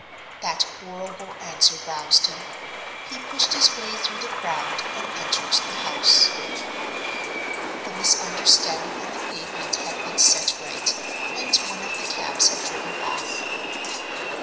That horrible answer roused him. He pushed his way through the crowd and entered the house. The misunderstanding on the pavement had been set right, and one of the cabs had driven off.